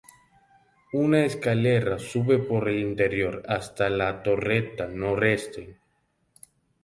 Una escalera sube por el interior hasta la torreta noreste.